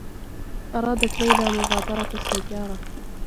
أرادت ليلى مغادرة السيارة